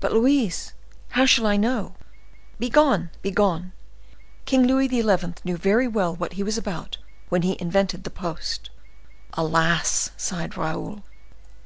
"But Louise—how shall I know—" "Begone! begone! King Louis XI. knew very well what he was about when he invented the post." "Alas!" sighed Raoul.